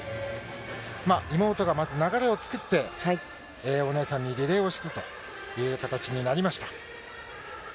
妹がまず流れを作って、お姉さんにリレーをしてという形になりました。